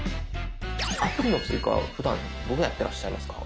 アプリの追加ふだんどうやってらっしゃいますか？